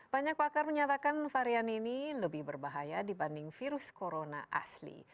banyak pakar menyatakan varian ini lebih berbahaya dibanding virus corona asli